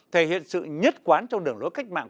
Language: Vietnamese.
thể hiện sự nhất quán trong đường lối cách mạng